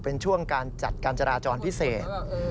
เป็นช่วงการจัดการจราจรพิเศษ